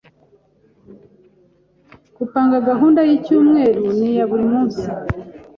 Gupanga gahunda y’icyumweru n’iya buri munsi